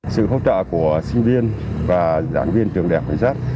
sự hỗ trợ của sinh viên và giảng viên trường đại học cảnh giác